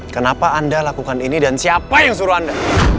kenapa anda lakukan ini dan siapa yang suruh anda